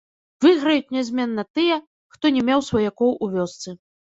Выйграюць нязменна тыя, хто не меў сваякоў у вёсцы.